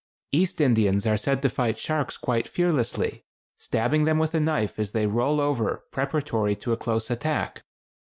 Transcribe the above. East Indians are said to fight sharks quite fearlessly, stabbing them with a knife as they roll over preparatory to a close attack.